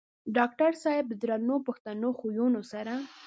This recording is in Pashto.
ډاکټر صېب د درنو پښتنو خويونو سره